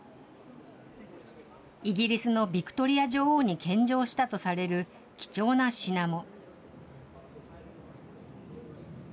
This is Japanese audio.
イギリスのヴィクトリア女王に献上したとされる貴重な品も。